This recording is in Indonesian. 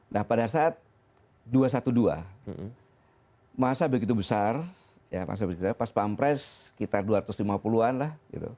nah pada saat dua ratus dua belas masa begitu besar pas pak ampres sekitar dua ratus lima puluh an lah